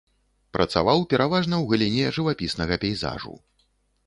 Працаваў пераважна ў галіне жывапіснага пейзажу.